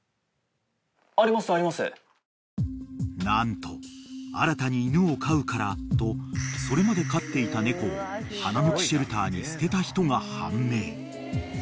［何と新たに犬を飼うからとそれまで飼っていた猫を花の木シェルターに捨てた人が判明］